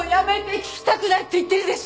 聞きたくないって言ってるでしょ。